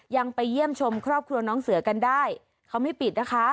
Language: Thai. ยังไปเยี่ยมชมครอบครัวน้องเสือกันได้เขาไม่ปิดนะคะ